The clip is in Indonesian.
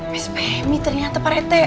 miss bemi ternyata parete